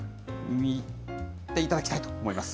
見ていただきたいと思います。